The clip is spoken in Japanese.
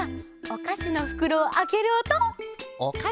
おかしのふくろをあけるおとか。